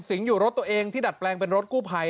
อยู่รถตัวเองที่ดัดแปลงเป็นรถกู้ภัย